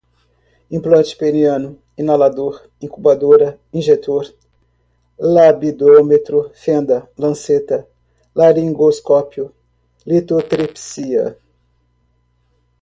implante peniano, inalador, incubadora, injetor, labidômetro, fenda, lanceta, laringoscópio, litotripsia